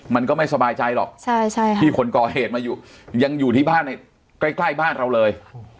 มันก็ไม่สบายใจหรอกที่คนก่อเหตุมายังอยู่ที่บ้านใกล้บ้านเราเลย